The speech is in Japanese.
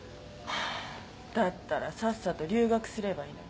だったらさっさと留学すればいいのに。